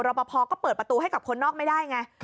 ปภก็เปิดประตูให้กับคนนอกไม่ได้ไง